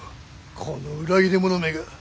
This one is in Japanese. この裏切り者めが。